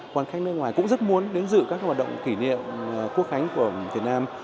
hoàn khách nước ngoài cũng rất muốn đến giữ các hoạt động kỷ niệm quốc khánh của việt nam